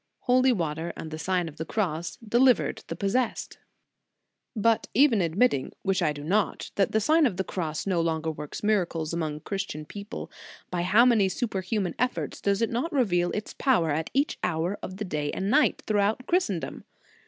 Holy water and the Sign of the Cross delivered the possessed."* But even admitting, which I do not, that the Sign of the Cross no longer works mira cles among Christian people, by how many superhuman effects does it not reveal its power at each hour of the day and night, throughout Christendom?